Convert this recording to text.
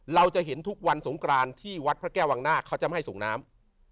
เราจะเห็นทุกวันสงกรานที่วัดพระแก้ววังหน้าเขาจะไม่ให้ส่งน้ำ